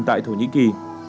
tại thổ nhĩ kỳ